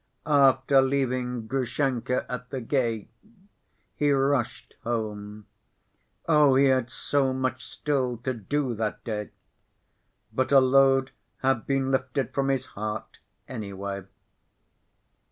After leaving Grushenka at the gate he rushed home. Oh, he had so much still to do that day! But a load had been lifted from his heart, anyway.